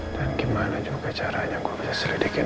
dan gimana juga caranya gue bisa selidikin